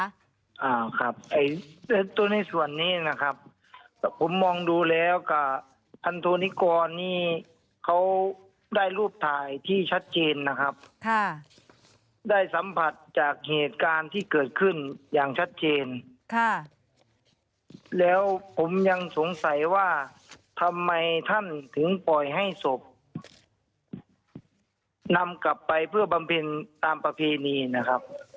อ่าครับไอ้ตัวในส่วนนี้นะครับผมมองดูแล้วกับพันโทนิกรนี่เขาได้รูปถ่ายที่ชัดเจนนะครับค่ะได้สัมผัสจากเหตุการณ์ที่เกิดขึ้นอย่างชัดเจนค่ะแล้วผมยังสงสัยว่าทำไมท่านถึงปล่อยให้ศพนำกลับไปเพื่อบำเพ็ญตามประเพณีนะครับ